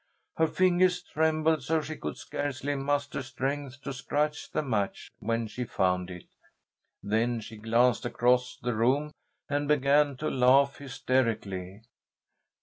Her fingers trembled so she could scarcely muster strength to scratch the match when she found it. Then she glanced across the room and began to laugh hysterically.